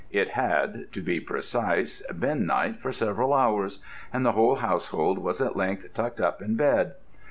It had, to be precise, been night for several hours, and the whole household was at length tucked up in bed.